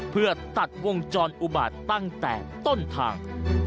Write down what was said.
เพื่อตัดวงจรอุบาตตั้งแต่ต้นทาง